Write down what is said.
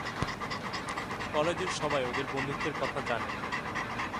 কলেজের সবাই ওদের বন্ধুত্বের কথা জানে।